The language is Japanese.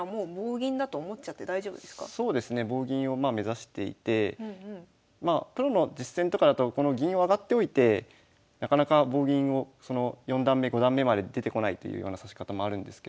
棒銀をまあ目指していてまあプロの実戦とかだとこの銀を上がっておいてなかなか棒銀を四段目五段目まで出てこないというような指し方もあるんですけど。